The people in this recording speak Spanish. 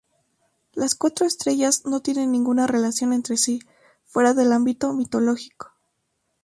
Las cuatro estrellas no tienen ninguna relación entre sí fuera del ámbito mitológico.